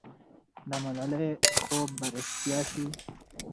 د ملالۍ خوب به رښتیا سي.